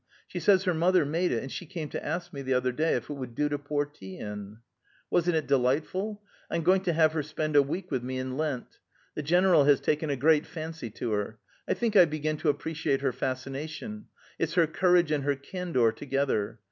She says her mother made it, and she came to ask me, the other day, if it would do to pour tea in. Wasn't it delightful? I'm going to have her spend a week with me in Lent. The general has taken a great fancy to her. I think I begin to appreciate her fascination; it's her courage and her candor together.